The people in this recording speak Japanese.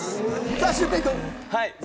さぁシュウペイ君。